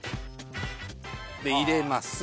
入れます。